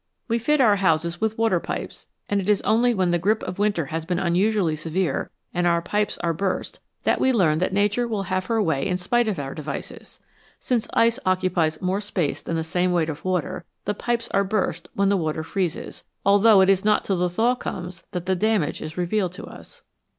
We fit our houses with water pipes, and it is only when the grip of winter has been unusually severe and our pipes are burst, that we learn that Nature will have her way in spite of our devices. Since ice occupies more space than the same weight of water, the pipes are burst when the water freezes, although it is not till the thaw comes that the damage is revealed to us.